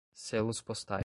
selos postais